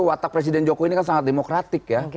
watak presiden jokowi ini kan sangat demokratik ya